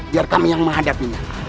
biar kami yang menghadapinya